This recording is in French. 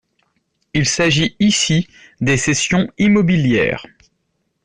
Il s’agit ici des cessions immobilières.